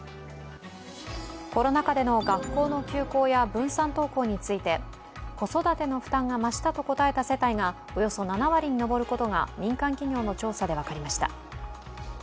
コロナ禍での学校の休校や分散登校について子育ての負担が増したと答えた世帯がおよそ７割に上ることが民間企業の調査で分かりました。